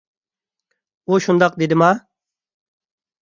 ئۇ شۇنداق دېدىما؟